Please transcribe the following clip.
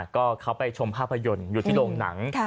ก็เขาไปชมภาพยนตร์อยู่ที่โรงหนัง